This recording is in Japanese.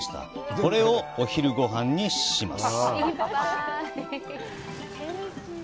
これをお昼ごはんにします。